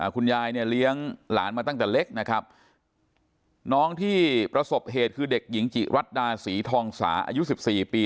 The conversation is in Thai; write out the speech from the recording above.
คุณยายเนี่ยเลี้ยงหลานมาตั้งแต่เล็กนะครับน้องที่ประสบเหตุคือเด็กหญิงจิรัตดาศรีทองสาอายุ๑๔ปี